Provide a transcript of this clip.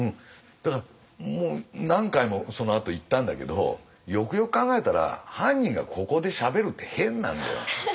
だからもう何回もそのあと行ったんだけどよくよく考えたら犯人がここでしゃべるって変なんだよ。